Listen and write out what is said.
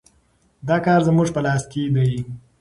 دا کار زموږ په لاس کې دی.